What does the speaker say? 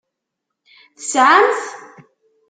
Tesɛam-t?